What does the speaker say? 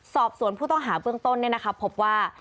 สอบสวนผู้ต้องหาเบื้องต้นเนี่ยนะคะพบว่า